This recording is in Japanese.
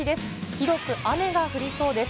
広く雨が降りそうです。